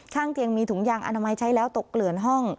ข้างเตียงมีถุงยางอนามัยใช้แล้วตกเกลื่อนห้อง